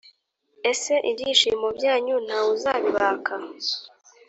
ese ibyishimo byanyu nta wuzabibaka